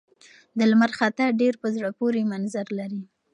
د لمر خاته ډېر په زړه پورې منظر لري.